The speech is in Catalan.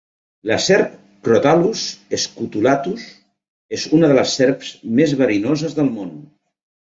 La serp Crotalus scutulatus és una de les serps més verinoses del món.